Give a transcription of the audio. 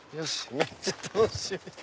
めっちゃ楽しみ！